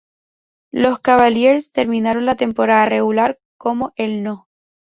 Los Cavaliers terminaron la temporada regular como el No.